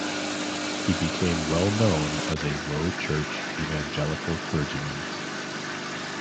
He became well known as a low church evangelical clergyman.